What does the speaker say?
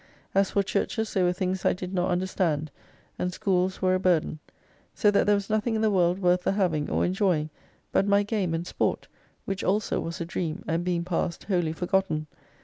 As for Churches they were t'nings I did not understand, and schools were a burden : so that there was nothing in the world worth the having, or enjoying, but my game and sport, which also was a dream, and being passed wholly forgotten.